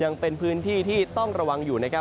ยังเป็นพื้นที่ที่ต้องระวังอยู่นะครับ